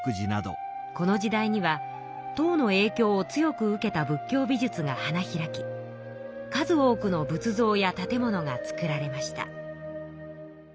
この時代には唐の影響を強く受けた仏教美術が花開き数多くの仏像や建物が造られました。